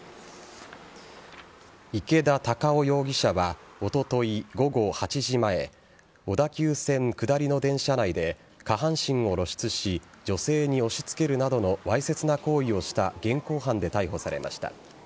池田隆夫容疑者はおととい午後８時前小田急線下りの電車内で下半身を露出し女性に押し付けるなどのわいせつな行為をした現行犯で逮捕されました。